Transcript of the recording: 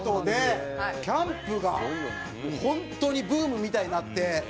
キャンプがホントにブームみたいになって。